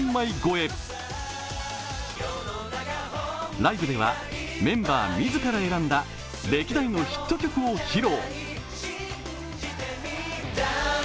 ライブではメンバー自ら選んだ歴代のヒット曲を披露。